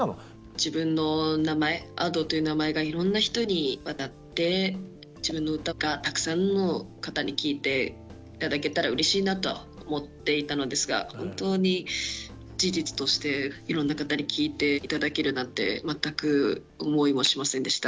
自分の名前Ａｄｏという名前がいろんな人にわたって自分の歌がたくさんの方に聴いて頂けたらうれしいなとは思っていたのですが本当に事実としていろんな方に聴いて頂けるなんて全く思いもしませんでした。